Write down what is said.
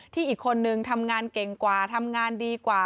อีกคนนึงทำงานเก่งกว่าทำงานดีกว่า